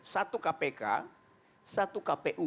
satu kpk satu kpu